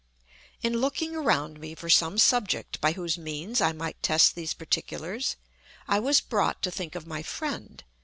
In looking around me for some subject by whose means I might test these particulars, I was brought to think of my friend, M.